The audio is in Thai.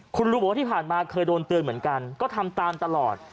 คุณลุงบอกว่าที่ผ่านมาเคยโดนเตือนเหมือนกันก็ทำตามตลอด